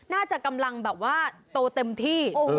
น่าจะกำลังโตเต็มที่